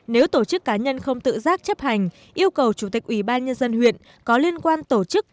nếu tổ chức cá nhân không tự giác chấp hành yêu cầu chủ tịch ủy ban nhân dân huyện có liên quan tổ chức